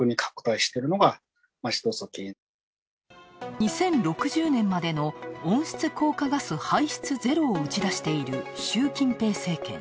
２０６０年までの温室効果ガス排出ゼロを打ち出している習近平政権。